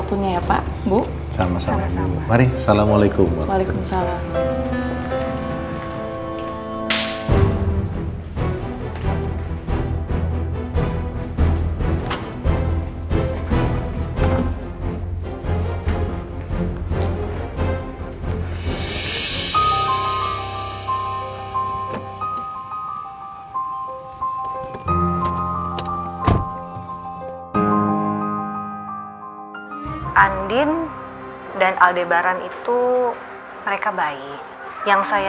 udah kita pulang ya